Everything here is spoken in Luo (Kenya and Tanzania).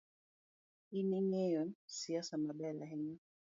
In ingeyo siasa maber hainya.